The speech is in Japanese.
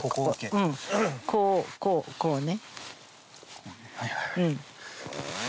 うんこうこうこうね。